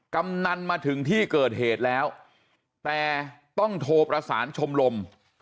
กำนันมาถึงที่เกิดเหตุแล้วแต่ต้องโทรประสานชมรม